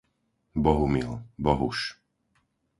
Bohumil, Bohuš